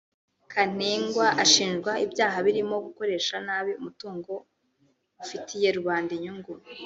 Kantengwa ashinjwa ibyaha birimo gukoresha nabi umutungo ufitiye rubanda inyungu